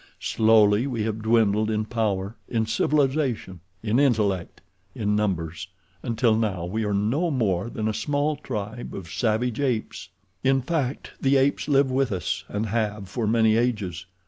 Slowly we have dwindled in power, in civilization, in intellect, in numbers, until now we are no more than a small tribe of savage apes. "In fact, the apes live with us, and have for many ages.